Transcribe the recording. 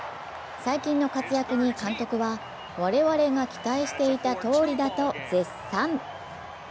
最近の活躍に監督は、我々が期待していたとおりだと絶賛。